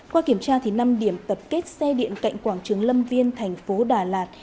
qua kiểm tra năm điểm tập kết xe điện cạnh quảng trường lâm viên thành phố đà lạt